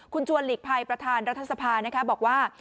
คุณชวนหลีกภัยประธานรัฐสภาบอกว่า